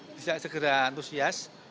bisa segera antusias